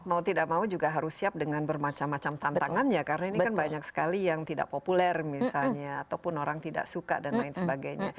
mau tidak mau juga harus siap dengan bermacam macam tantangannya karena ini kan banyak sekali yang tidak populer misalnya ataupun orang tidak suka dan lain sebagainya